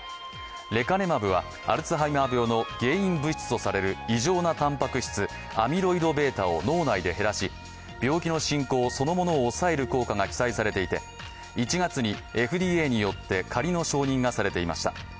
レカネマブはアルツハイマー病の原因物質とされる異常なたんぱく質、アミロイドβを脳内で減らし病気の進行そのものを抑える効果が期待されていて１月にＦＤＡによって仮の承認がされていました。